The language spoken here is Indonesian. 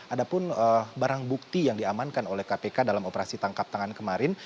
ada pun barang bukti yang diamankan oleh kpk dalam operasi tangkap tangan kemarin